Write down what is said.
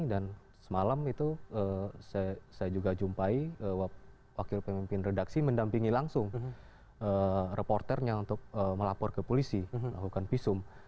dan semalam itu saya juga jumpai wakil pemimpin redaksi mendampingi langsung reporternya untuk melapor ke polisi melakukan visum